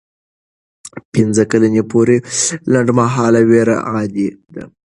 پنځه کلنۍ پورې لنډمهاله ویره عادي ده.